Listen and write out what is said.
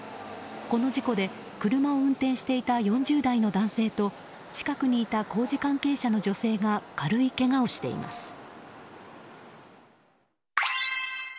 この事故で車を運転していた４０代の男性と近くにいた工事関係者の女性が軽いけがをしています。